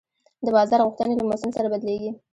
د بازار غوښتنې له موسم سره بدلېږي.